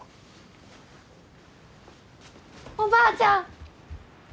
おばあちゃん！